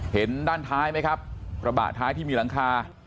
เห็นด้านท้ายไหมครับกระบะท้ายที่มีหลังคา